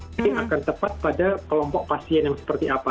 mungkin akan tepat pada kelompok pasien yang seperti apa